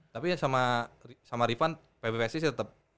tapi sama rifan pbvsc sih tetap